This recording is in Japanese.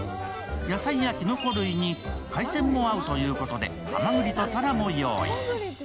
野菜やきのこ類に海鮮も合うということで、はまぐりとたらも用意。